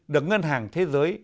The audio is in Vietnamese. được ngân hàng thế giới